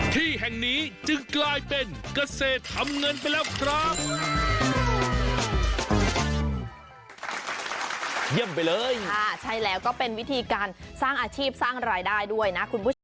ที่แห่งนี้จึงกลายเป็นเกษตรทำเงินไปแล้วครับ